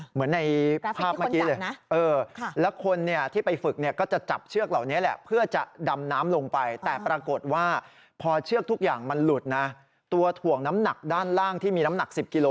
เหมือนในภาพเมื่อกี้แกรฟไฟต์ที่คนจับนะ